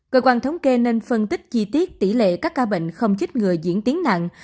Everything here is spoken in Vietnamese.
cơ quan thống kê nên phân tích chi tiết tỷ lệ các ca bệnh không chích người diễn tiến nặng